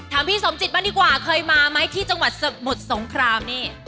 พี่สมจิตบ้างดีกว่าเคยมาไหมที่จังหวัดสมุทรสงครามนี่